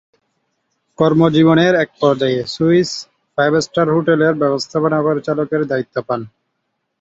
কর্মজীবনের এক পর্যায়ে "সুইস ফাইভ-স্টার হোটেলের" ব্যবস্থাপনা পরিচালকের দায়িত্ব পান।